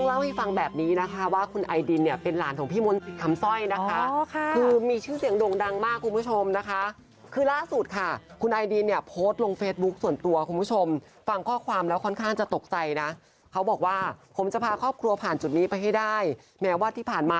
ไอสิบก็อย่าอย่าลืมน้องให้ได้